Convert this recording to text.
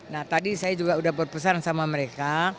nah tadi saya juga sudah berpesan sama mereka